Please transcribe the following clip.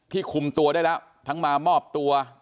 คุมตัวได้แล้วทั้งมามอบตัว